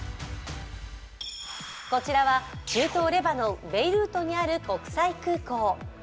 こちらは、中東レバノン・ベイルートにある国際空港。